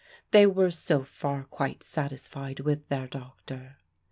They were so far quite satisfied with their doctor.